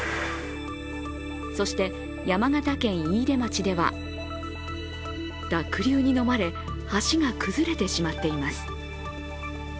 そして山形県飯豊町では濁流にのまれ、橋が崩れてしまっています